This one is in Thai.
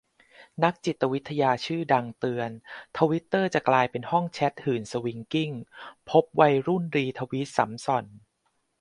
นักจิตวิทยาชื่อดังเตือน ทวิตเตอร์จะกลายเป็นห้องแชตหื่นสวิงกิ้ง พบวัยรุ่นรีทวีตสำส่อน